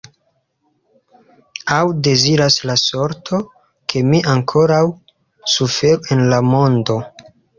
Aŭ deziras la sorto, ke mi ankoraŭ suferu en la mondo?